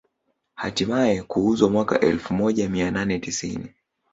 Hatimaye kuuzwa mwaka elfu moja mia nane tisini